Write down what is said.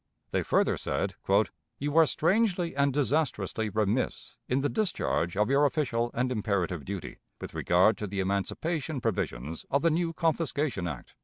They further said: "You are strangely and disastrously remiss in the discharge of your official and imperative duty with regard to the emancipation provisions of the new confiscation act."